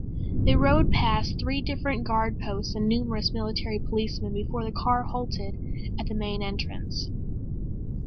They rode past three different guard posts and numerous military policemen before the car halted at the main entrance.